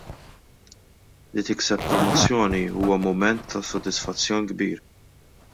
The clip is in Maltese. Li tikseb promozzjoni huwa mument ta' sodisfazzjon kbir.